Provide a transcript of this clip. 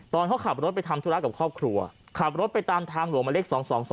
ตอนเขาขับรถไปทำธุระกับครอบครัวขับรถไปตามทางหลวงมาเล็ก๒๒